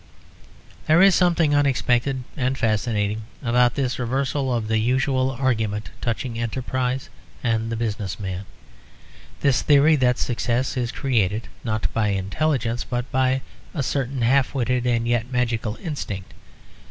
There is something unexpected and fascinating about this reversal of the usual argument touching enterprise and the business man; this theory that success is created not by intelligence, but by a certain half witted and yet magical instinct.